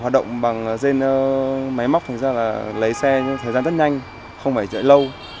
dên máy móc lấy xe thời gian rất nhanh không phải chạy lâu